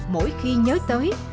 mỗi khi nhớ tới